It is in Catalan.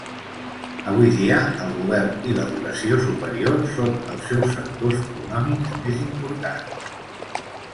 Avui dia, el govern i l'educació superior són els seus sectors econòmics més importants.